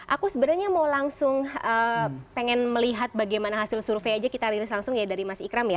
aku sebenarnya mau langsung pengen melihat bagaimana hasil survei aja kita rilis langsung ya dari mas ikram ya